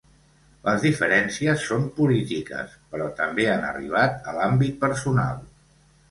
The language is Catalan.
Les diferències són polítiques, però també han arribat a l’àmbit personal.